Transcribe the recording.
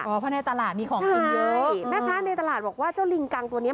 เพราะในตลาดมีของกินเยอะแม่ค้าในตลาดบอกว่าเจ้าลิงกังตัวเนี้ย